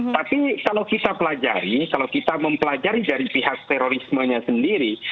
tapi kalau kita pelajari kalau kita mempelajari dari pihak terorismenya sendiri